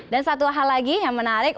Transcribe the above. dan satu hal lagi yang menarik